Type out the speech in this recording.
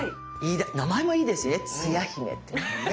名前もいいですしねつや姫ってね。